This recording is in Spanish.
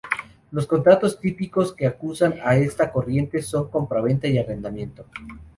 Los contratos típicos que acusan a esta corriente son compraventa y arrendamiento.